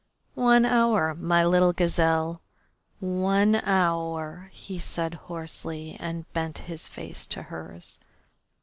"One hour, my little gazelle, one hour " he said hoarsely, and bent his face to hers.